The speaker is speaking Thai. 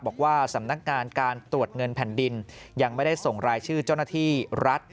บอกว่าสำนักงานการตรวจเงินแผ่นดินยังไม่ได้ส่งรายชื่อเจ้าหน้าที่รัฐ